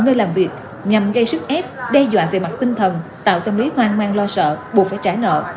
nơi làm việc nhằm gây sức ép đe dọa về mặt tinh thần tạo tâm lý hoang mang lo sợ buộc phải trả nợ